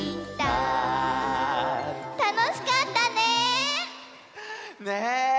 たのしかったね！ね！